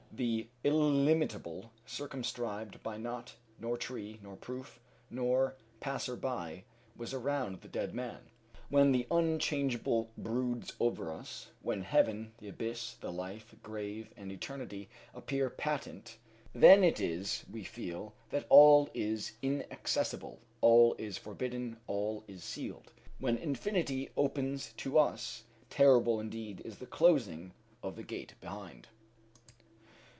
The illimitable, circumscribed by naught, nor tree, nor roof, nor passer by, was around the dead man. When the unchangeable broods over us when Heaven, the abyss, the life, grave, and eternity appear patent then it is we feel that all is inaccessible, all is forbidden, all is sealed. When infinity opens to us, terrible indeed is the closing of the gate behind.